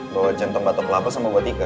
bawa jantung batok laba sama buat ikan